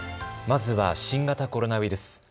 まずは新型コロナウイルス。